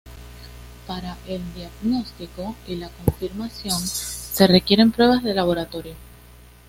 Para el diagnóstico y la confirmación se requieren pruebas de laboratorio.